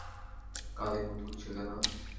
কালিমুথুর ছেলে না?